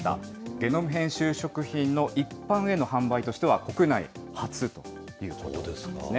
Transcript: ゲノム編集食品の一般への販売としては、国内初ということなんですね。